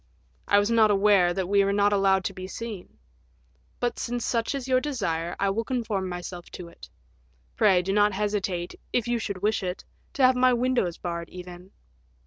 I was not aware that we were not allowed to be seen; but, since such is your desire, I will conform myself to it; pray do not hesitate, if you should wish it, to have my windows barred, even."